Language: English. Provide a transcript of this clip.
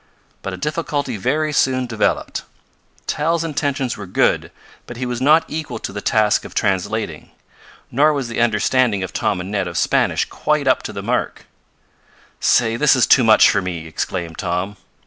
But a difficulty very soon developed. Tal's intentions were good, but he was not equal to the task of translating. Nor was the understanding of Tom and Ned of Spanish quite up to the mark. "Say, this is too much for me!" exclaimed Tom.